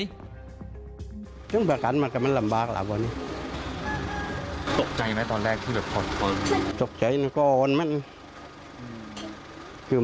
พ่อปริงได้ไปคุยกับครอบครัวของคุณสุภัณฑ์เหมือนกัน